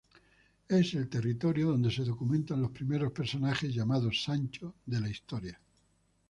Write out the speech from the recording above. Es el territorio donde se documentan los primeros personajes llamados Sancho de la historia.